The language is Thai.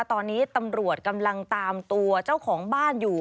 ตอนนี้ตำรวจกำลังตามตัวเจ้าของบ้านอยู่